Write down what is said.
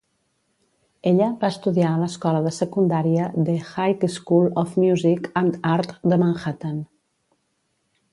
Ella va estudiar a l'escola de secundària The High School of Music and Art de Manhattan.